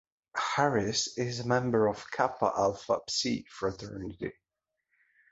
Harris is a member of Kappa Alpha Psi fraternity.